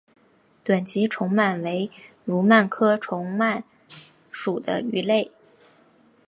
短鳍虫鳗为蠕鳗科虫鳗属的鱼类。